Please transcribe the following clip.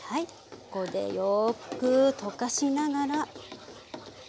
ここでよく溶かしながら。